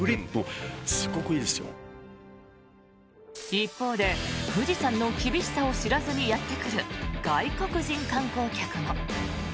一方で、富士山の厳しさを知らずにやってくる外国人観光客も。